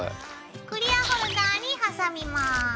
クリアホルダーに挟みます。